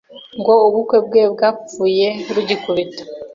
ngo ubukwe bwe bwapfuye rugikubita